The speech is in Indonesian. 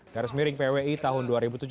dari smiring pwi tahun dua ribu tujuh belas